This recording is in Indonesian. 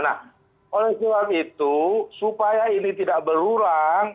nah oleh sebab itu supaya ini tidak berulang